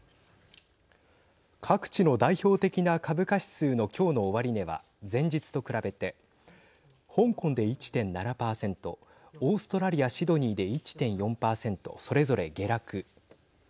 各地の代表的な株価指数の今日の終値は前日と比べて、香港で１．７％オーストラリアシドニーで１．４％それぞれ下落。